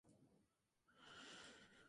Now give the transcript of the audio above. Las flores están dispuestas en panículas.